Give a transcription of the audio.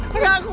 ben jangan kutip